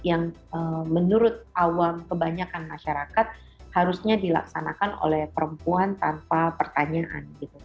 yang menurut awam kebanyakan masyarakat harusnya dilaksanakan oleh perempuan tanpa pertanyaan